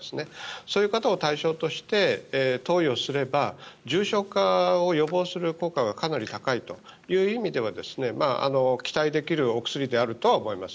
そういう方を対象として投与すれば重症化を予防する効果がかなり高いという意味では期待できるお薬ではあると思います。